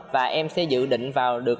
và em sẽ dự định vào được